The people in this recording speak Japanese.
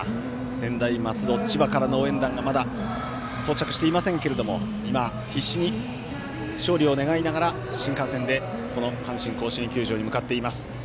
専大松戸、千葉からの応援団がまだ到着していませんけれど今、必死に勝利を願いながら新幹線で阪神甲子園球場に向かっています。